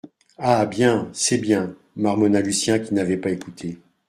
Ah bien, c’est bien, marmonna Lucien qui n’avait pas écouté.